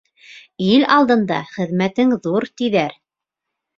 — Ил алдында хеҙмәтең ҙур, тиҙәр.